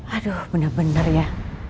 aduh benar benar ya